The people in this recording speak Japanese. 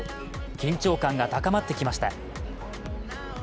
緊張感が高まってきました。